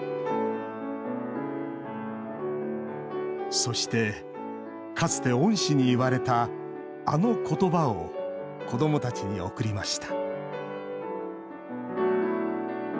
そして、かつて恩師に言われたあのことばを子どもたちに送りました